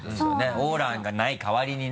オーラがない代わりにね。